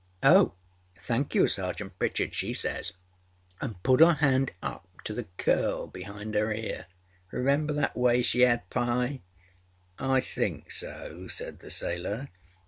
âOh, thank you, Sergeant Pritchard,â she says, anâ put âer hand up to the curl beâind âer ear. Remember that way she had, Pye?â âI think so,â said the sailor.